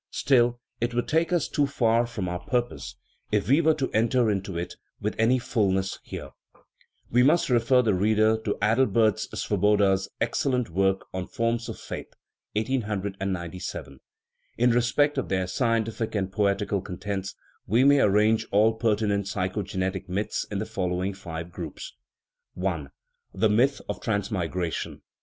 Still, it would take us too far from our purpose if we were to enter into it with any fulness here ; we must refer the reader to Adalbert Svoboda's excellent work on Forms of Faith (1897). In respect of their scientific and poet ical contents, we may arrange all pertinent psychoge netic myths in the following five groups : I. The myth of transmigration.